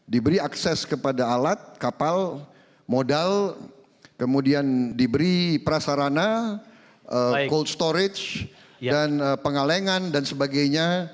diberi akses kepada alat kapal modal kemudian diberi prasarana cold storage dan pengalengan dan sebagainya